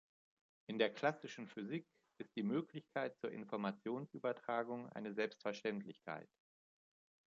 In der klassischen Physik ist die Möglichkeit zur Informationsübertragung eine Selbstverständlichkeit.